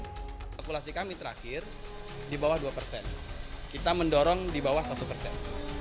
kalkulasi kami terakhir di bawah dua persen kita mendorong di bawah satu persen